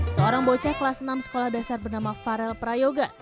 seorang bocah kelas enam sekolah dasar bernama farel prayoga